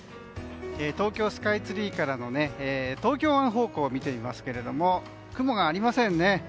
東京スカイツリーからの東京湾方向を見てみますけど雲がありません。